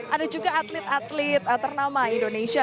ada juga atlet atlet ternama indonesia